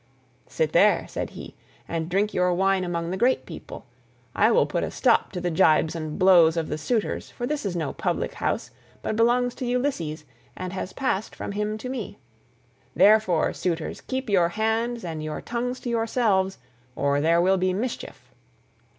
"Sit there," said he, "and drink your wine among the great people. I will put a stop to the gibes and blows of the suitors, for this is no public house, but belongs to Ulysses, and has passed from him to me. Therefore, suitors, keep your hands and your tongues to yourselves, or there will be mischief."